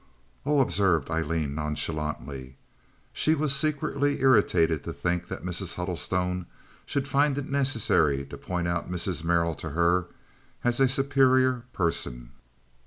"Oh!" observed Aileen, nonchalantly. She was secretly irritated to think that Mrs. Huddlestone should find it necessary to point out Mrs. Merrill to her as a superior person.